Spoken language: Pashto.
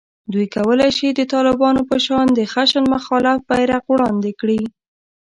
دوی کولای شي د طالبانو په شان د خشن مخالفت بېرغ وړاندې کړي